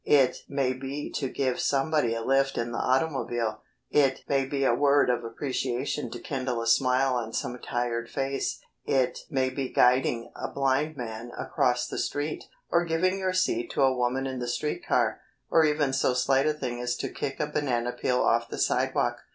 It may be to give somebody a lift in the automobile it may be a word of appreciation to kindle a smile on some tired face; it may be guiding a blind man across the street, or giving your seat to a woman in the street car, or even so slight a thing as to kick a banana peel off the sidewalk.